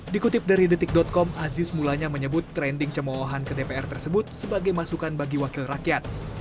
dikutip dari detik com aziz mulanya menyebut trending cemohan ke dpr tersebut sebagai masukan bagi wakil rakyat